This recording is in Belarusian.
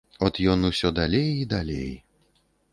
От ён усё далей і далей.